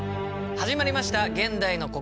始まりました「現代の国語」。